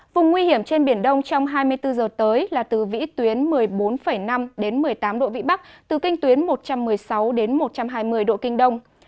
vùng nguy hiểm trên biển đông trong hai mươi bốn h tới là từ vĩ tuyến một mươi bốn năm đến một mươi tám độ vĩ bắc từ kinh tuyến một trăm một mươi sáu đến một trăm hai mươi độ kinh đông